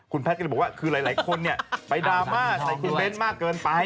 คุณแพทย์ก็เลยบอกว่าคือหลายคนไปดราม่าใส่คุณเบ้นมากเกินไป